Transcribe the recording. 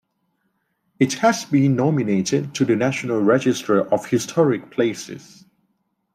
It has been nominated to the National Register of Historic Places.